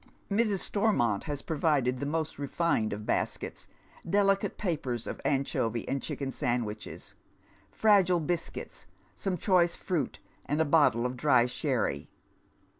Mrs. Stormont has provided the most refined of baskets, — delicate papers of anchovy and chicken sandwiches, fragile biscuits, some choice fniit, and a bottle of dry sherry.